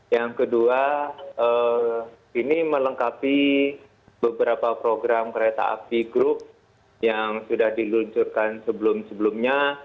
yang kedua ini melengkapi beberapa program kereta api grup yang sudah diluncurkan sebelum sebelumnya